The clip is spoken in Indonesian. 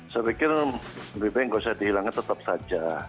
saya pikir lebih baik tidak usah dihilangkan tetap saja